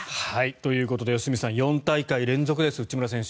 ということで良純さん４大会連続です内村選手。